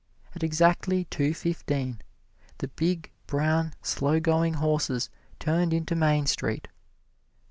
At exactly two fifteen the big, brown, slow going horses turned into Main Street.